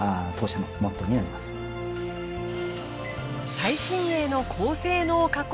最新鋭の高性能加工